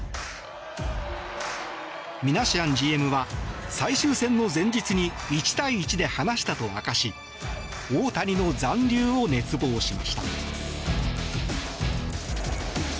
ミナシアンＧＭは最終戦の前日に１対１で話したと明かし大谷の残留を熱望しました。